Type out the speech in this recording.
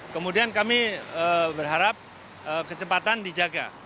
kemudian kami berharap kecepatan dijaga